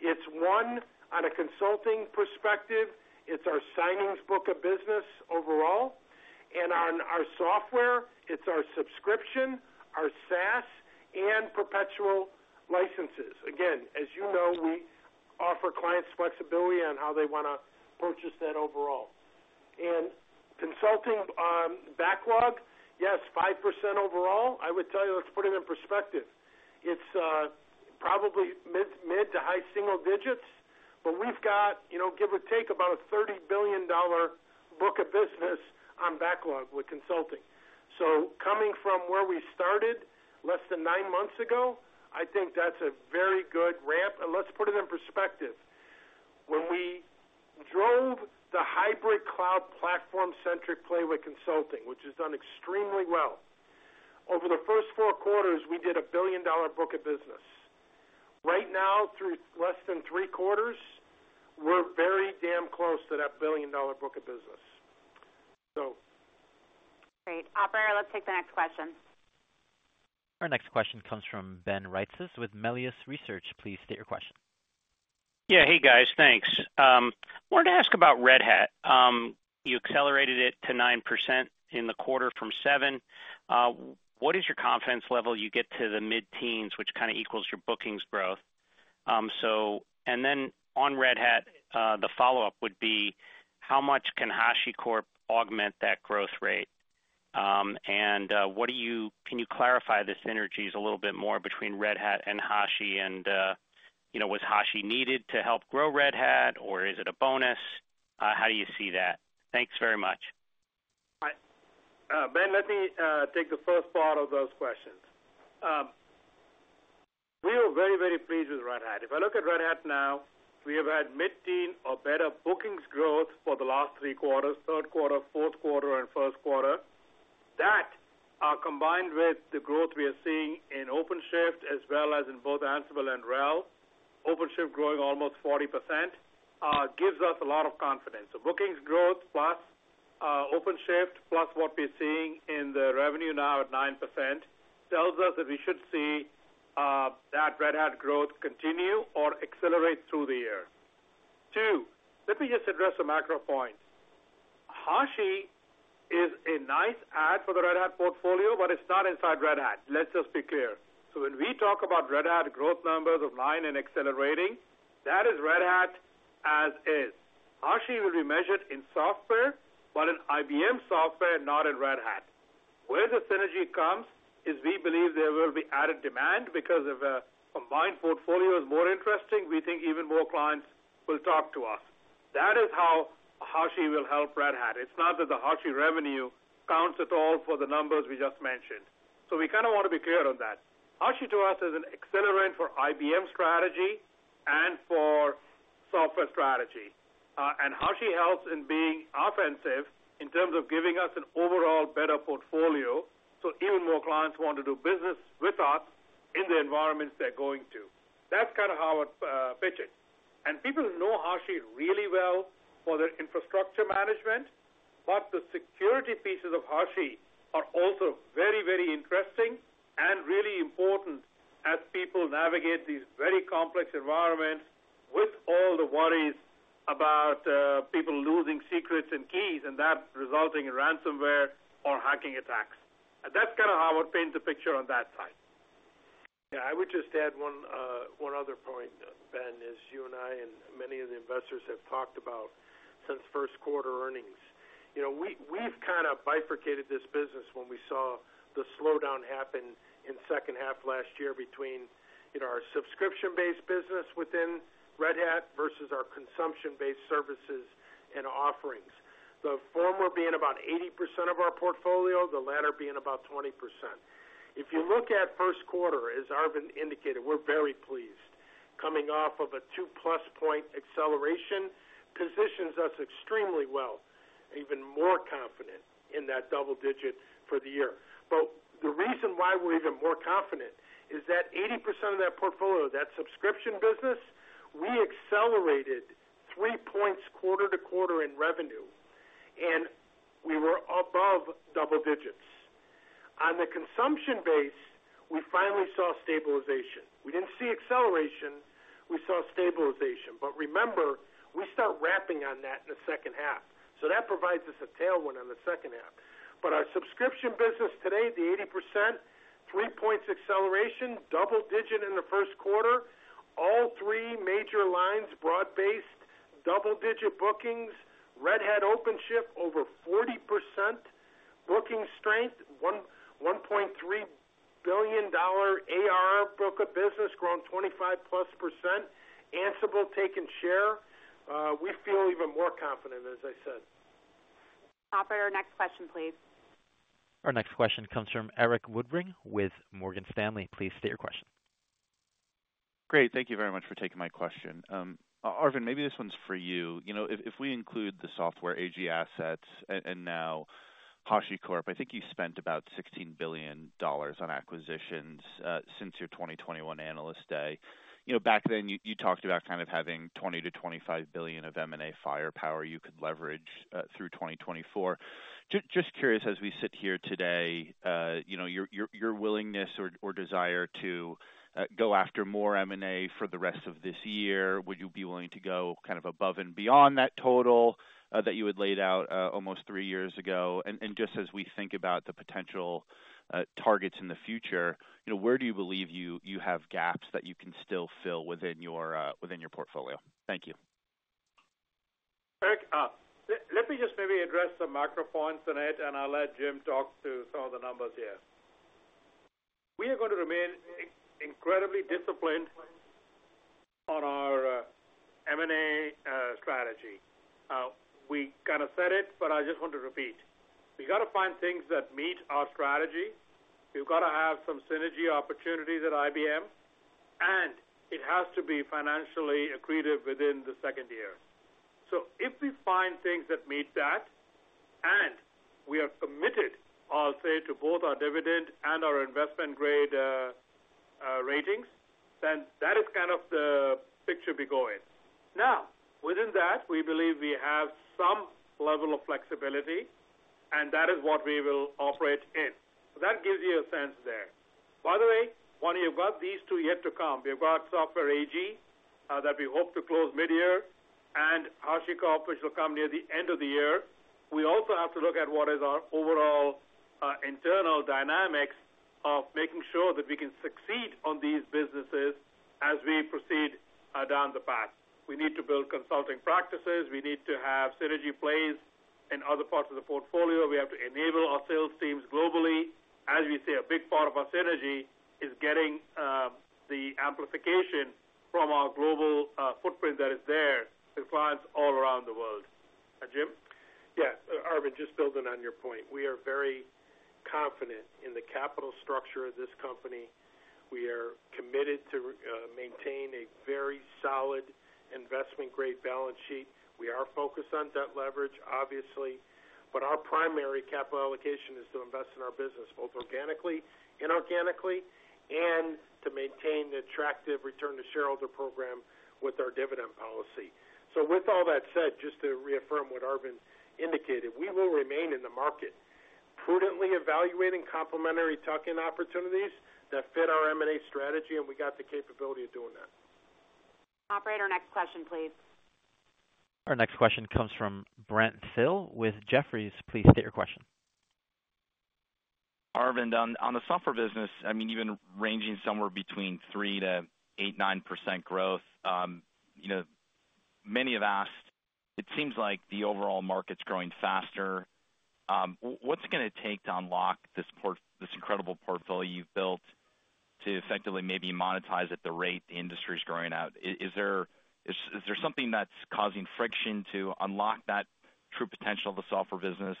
It's one, on a consulting perspective, it's our signings book of business overall, and on our software, it's our subscription, our SaaS, and perpetual licenses. Again, as you know, we offer clients flexibility on how they want to purchase that overall. And consulting on backlog, yes, 5% overall. I would tell you, let's put it in perspective. It's probably mid- to high-single digits, but we've got, you know, give or take, about a $30 billion book of business on backlog with consulting. ...coming from where we started less than nine months ago, I think that's a very good ramp. Let's put it in perspective. When we drove the hybrid cloud platform-centric play with consulting, which has done extremely well, over the first four quarters, we did a billion-dollar book of business. Right now, through less than three quarters, we're very damn close to that billion-dollar book of business. So- Great. Operator, let's take the next question. Our next question comes from Ben Reitzes with Melius Research. Please state your question. Yeah. Hey, guys, thanks. Wanted to ask about Red Hat. You accelerated it to 9% in the quarter from 7%. What is your confidence level you get to the mid-teens, which kind of equals your bookings growth? And then on Red Hat, the follow-up would be: How much can HashiCorp augment that growth rate? And, what do you—can you clarify the synergies a little bit more between Red Hat and Hashi? And, you know, was Hashi needed to help grow Red Hat, or is it a bonus? How do you see that? Thanks very much. Hi. Ben, let me take the first part of those questions. We were very, very pleased with Red Hat. If I look at Red Hat now, we have had mid-teen or better bookings growth for the last three quarters, third quarter, fourth quarter, and first quarter. That combined with the growth we are seeing in OpenShift, as well as in both Ansible and RHEL, OpenShift growing almost 40%, gives us a lot of confidence. So bookings growth, plus OpenShift, plus what we're seeing in the revenue now at 9%, tells us that we should see that Red Hat growth continue or accelerate through the year. Two, let me just address some macro points. Hashi is a nice add for the Red Hat portfolio, but it's not inside Red Hat. Let's just be clear. So when we talk about Red Hat growth numbers of nine and accelerating, that is Red Hat as is. Hashi will be measured in software, but in IBM software, not in Red Hat. Where the synergy comes, is we believe there will be added demand because of a combined portfolio is more interesting. We think even more clients will talk to us. That is how Hashi will help Red Hat. It's not that the Hashi revenue counts at all for the numbers we just mentioned. So we kind of want to be clear on that. Hashi, to us, is an accelerant for IBM strategy and for software strategy. And Hashi helps in being offensive in terms of giving us an overall better portfolio, so even more clients want to do business with us in the environments they're going to. That's kind of how I'd pitch it. And people know Hashi really well for their infrastructure management, but the security pieces of Hashi are also very, very interesting and really important as people navigate these very complex environments with all the worries about, people losing secrets and keys, and that resulting in ransomware or hacking attacks. And that's kind of how I would paint the picture on that side. Yeah, I would just add one, one other point, Ben, is you and I and many of the investors have talked about since first quarter earnings. You know, we, we've kind of bifurcated this business when we saw the slowdown happen in second half last year between, you know, our subscription-based business within Red Hat versus our consumption-based services and offerings. The former being about 80% of our portfolio, the latter being about 20%. If you look at first quarter, as Arvind indicated, we're very pleased. Coming off of a 2+ point acceleration positions us extremely well, even more confident in that double-digit for the year. But the reason why we're even more confident is that 80% of that portfolio, that subscription business, we accelerated three points quarter-over-quarter in revenue, and we were above double digits. On the consumption base, we finally saw stabilization. We didn't see acceleration, we saw stabilization. But remember, we start wrapping on that in the second half, so that provides us a tailwind on the second half. But our subscription business today, the 80%, three points acceleration, double-digit in the first quarter. All three major lines, broad-based, double-digit bookings. Red Hat OpenShift, over 40% booking strength, $1.3 billion AR book of business, growing 25+%. Ansible taking share. We feel even more confident, as I said. Operator, next question, please. Our next question comes from Erik Woodring with Morgan Stanley. Please state your question. Great. Thank you very much for taking my question. Arvind, maybe this one's for you. You know, if we include the Software AG assets and now HashiCorp, I think you spent about $16 billion on acquisitions since your 2021 Analyst Day. You know, back then, you talked about kind of having $20 billion-$25 billion of M&A firepower you could leverage through 2024. Just curious, as we sit here today, you know, your willingness or desire to go after more M&A for the rest of this year, would you be willing to go kind of above and beyond that total that you had laid out almost three years ago? Just as we think about the potential targets in the future, you know, where do you believe you have gaps that you can still fill within your portfolio? Thank you. Eric, let me just maybe address some macro points in it, and I'll let Jim talk to some of the numbers here. We are going to remain incredibly disciplined on our strategy. We kind of said it, but I just want to repeat. We've got to find things that meet our strategy. We've got to have some synergy opportunities at IBM, and it has to be financially accretive within the second year. So if we find things that meet that, and we are committed, I'll say, to both our dividend and our investment-grade ratings, then that is kind of the picture we go in. Now, within that, we believe we have some level of flexibility, and that is what we will operate in. So that gives you a sense there. By the way, when you've got these two yet to come, we've got Software AG that we hope to close mid-year, and Hashi, which will come near the end of the year. We also have to look at what is our overall internal dynamics of making sure that we can succeed on these businesses as we proceed down the path. We need to build consulting practices. We need to have synergy plays in other parts of the portfolio. We have to enable our sales teams globally. As we say, a big part of our synergy is getting the amplification from our global footprint that is there to clients all around the world. Jim? Yes, Arvind, just building on your point, we are very confident in the capital structure of this company. We are committed to maintain a very solid investment-grade balance sheet. We are focused on debt leverage, obviously, but our primary capital allocation is to invest in our business, both organically and inorganically, and to maintain the attractive return to shareholder program with our dividend policy. So with all that said, just to reaffirm what Arvind indicated, we will remain in the market, prudently evaluating complementary tuck-in opportunities that fit our M&A strategy, and we got the capability of doing that. Operator, next question, please. Our next question comes from Brent Thill with Jefferies. Please state your question. Arvind, on the software business, I mean, you've been ranging somewhere between 3%-9% growth. You know, many have asked, it seems like the overall market's growing faster. What's it going to take to unlock this incredible portfolio you've built to effectively maybe monetize at the rate the industry is growing out? Is there something that's causing friction to unlock that true potential of the software business?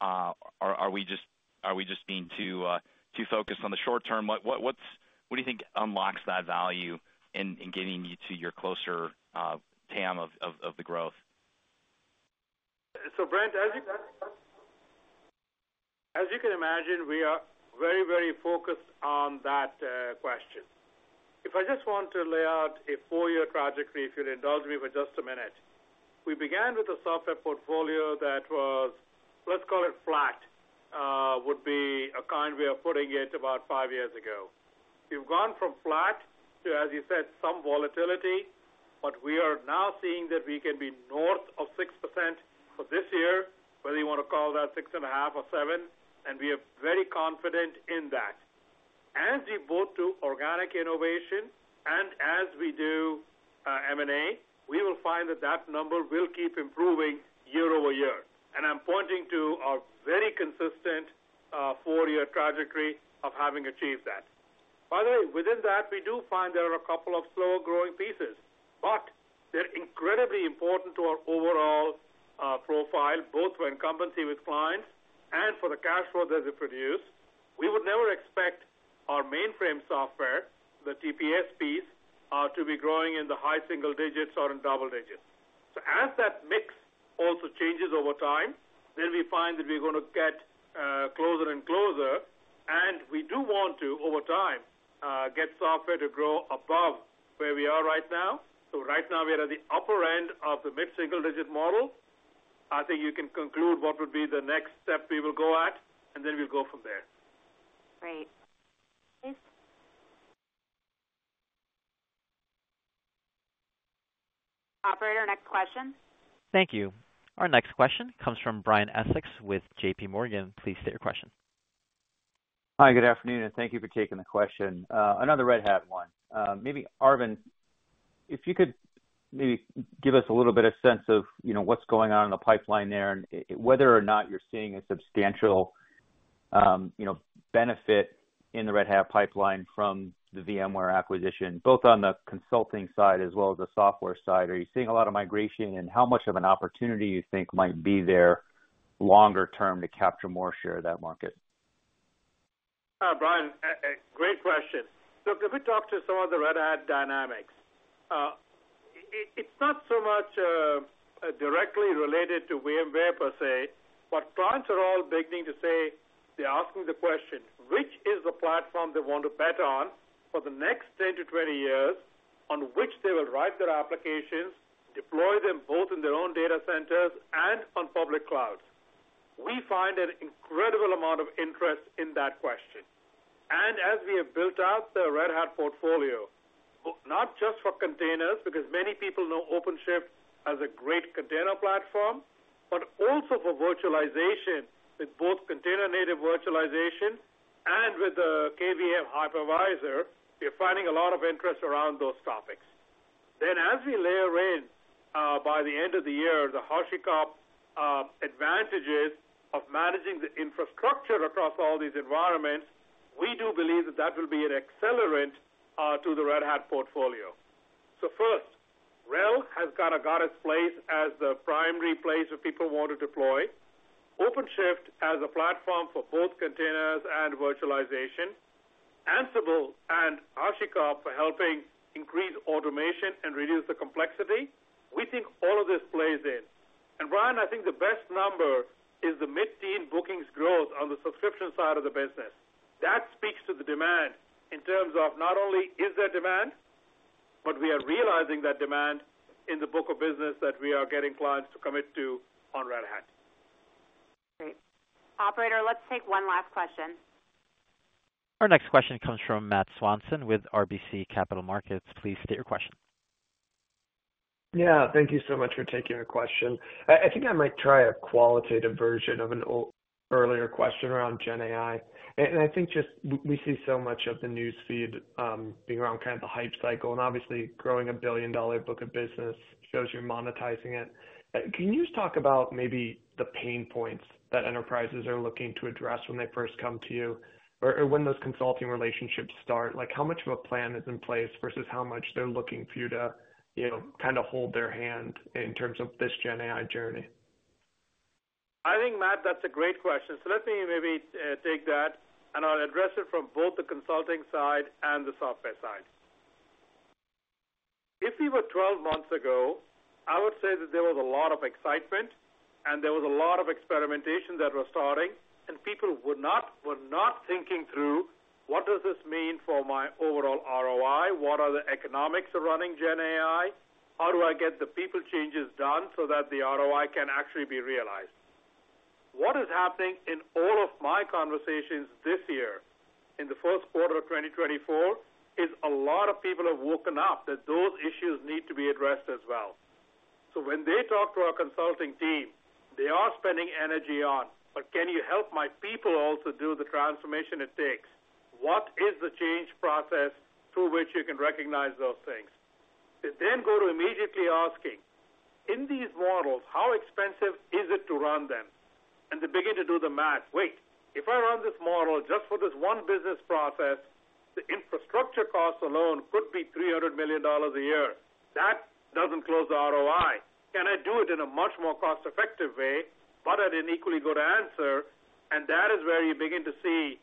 Are we just being too focused on the short term? What do you think unlocks that value in getting you to your closer TAM of the growth? So, Brent, as you can imagine, we are very, very focused on that question. If I just want to lay out a four-year trajectory, if you'll indulge me for just a minute. We began with a software portfolio that was, let's call it flat, would be a kind way of putting it about five years ago. We've gone from flat to, as you said, some volatility, but we are now seeing that we can be north of 6% for this year, whether you want to call that 6.5% or 7%, and we are very confident in that. As we both do organic innovation and as we do M&A, we will find that that number will keep improving year-over-year. And I'm pointing to a very consistent four-year trajectory of having achieved that. By the way, within that, we do find there are a couple of slower-growing pieces, but they're incredibly important to our overall profile, both for incumbency with clients and for the cash flow that they produce. We would never expect our mainframe software, the TPP piece, to be growing in the high single digits or in double digits. So as that mix also changes over time, then we find that we're going to get closer and closer, and we do want to, over time, get software to grow above where we are right now. So right now, we are at the upper end of the mid-single-digit model. I think you can conclude what would be the next step we will go at, and then we'll go from there. Great. Operator, next question. Thank you. Our next question comes from Brian Essex with JP Morgan. Please state your question. Hi, good afternoon, and thank you for taking the question. Another Red Hat one. Maybe, Arvind, if you could maybe give us a little bit of sense of, you know, what's going on in the pipeline there and whether or not you're seeing a substantial, you know, benefit in the Red Hat pipeline from the VMware acquisition, both on the consulting side as well as the software side. Are you seeing a lot of migration, and how much of an opportunity you think might be there longer term to capture more share of that market? Brian, great question. So if we talk to some of the Red Hat dynamics, it's not so much directly related to VMware per se, but clients are all beginning to say they're asking the question, which is the platform they want to bet on for the next 10-20 years on which they will write their applications, deploy them both in their own data centers and on public clouds? We find an incredible amount of interest in that question. And as we have built out the Red Hat portfolio, not just for containers, because many people know OpenShift as a great container platform, but also for virtualization, with both container-native virtualization and with the KVM hypervisor, we're finding a lot of interest around those topics. Then, as we layer in, by the end of the year, the Hashi advantages of managing the infrastructure across all these environments. We do believe that that will be an accelerant to the Red Hat portfolio. So first, RHEL has got a good as place as the primary place where people want to deploy, OpenShift as a platform for both containers and virtualization, Ansible and HashiCorp for helping increase automation and reduce the complexity. We think all of this plays in. And Brian, I think the best number is the mid-teen bookings growth on the subscription side of the business. That speaks to the demand in terms of not only is there demand, but we are realizing that demand in the book of business that we are getting clients to commit to on Red Hat. Great. Operator, let's take one last question. Our next question comes from Matt Swanson with RBC Capital Markets. Please state your question. Yeah, thank you so much for taking a question. I, I think I might try a qualitative version of an old earlier question around GenAI. And, and I think just we, we see so much of the newsfeed being around kind of the hype cycle and obviously growing a billion-dollar book of business shows you're monetizing it. Can you just talk about maybe the pain points that enterprises are looking to address when they first come to you, or, or when those consulting relationships start? Like, how much of a plan is in place versus how much they're looking for you to, you know, kinda hold their hand in terms of this GenAI journey? I think, Matt, that's a great question. So let me maybe take that, and I'll address it from both the consulting side and the software side. If we were 12 months ago, I would say that there was a lot of excitement and there was a lot of experimentation that was starting, and people were not, were not thinking through, "What does this mean for my overall ROI? What are the economics of running GenAI? How do I get the people changes done so that the ROI can actually be realized?" What is happening in all of my conversations this year, in the first quarter of 2024, is a lot of people have woken up, that those issues need to be addressed as well. So when they talk to our consulting team, they are spending energy on: "But can you help my people also do the transformation it takes? What is the change process through which you can recognize those things?" They then go to immediately asking, "In these models, how expensive is it to run them?" And they begin to do the math. "Wait, if I run this model just for this one business process, the infrastructure costs alone could be $300 million a year. That doesn't close the ROI. Can I do it in a much more cost-effective way, but at an equally good answer?" And that is where you begin to see,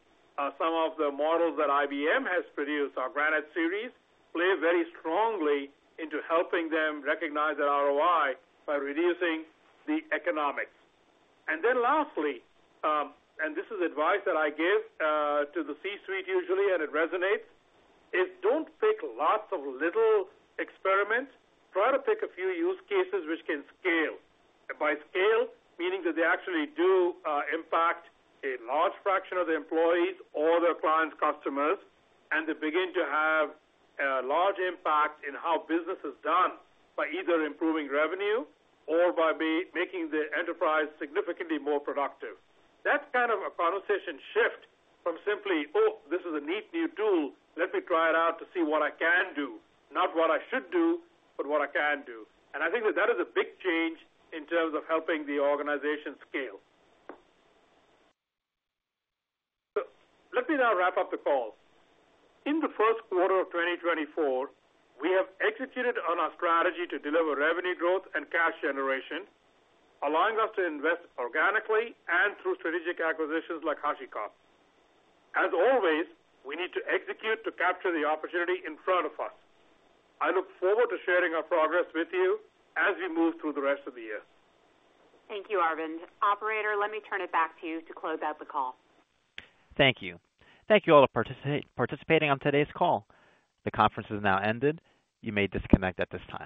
some of the models that IBM has produced, our Granite series, play very strongly into helping them recognize that ROI by reducing the economics. And then lastly, and this is advice that I give to the C-suite usually, and it resonates: don't pick lots of little experiments. Try to pick a few use cases which can scale. And by scale, meaning that they actually do impact a large fraction of the employees or their clients' customers, and they begin to have a large impact in how business is done, by either improving revenue or by making the enterprise significantly more productive. That's kind of a conversation shift from simply, "Oh, this is a neat new tool. Let me try it out to see what I can do. Not what I should do, but what I can do." And I think that that is a big change in terms of helping the organization scale. So let me now wrap up the call. In the first quarter of 2024, we have executed on our strategy to deliver revenue growth and cash generation, allowing us to invest organically and through strategic acquisitions like HashiCorp. As always, we need to execute to capture the opportunity in front of us. I look forward to sharing our progress with you as we move through the rest of the year. Thank you, Arvind. Operator, let me turn it back to you to close out the call. Thank you. Thank you all for participating on today's call. The conference has now ended. You may disconnect at this time.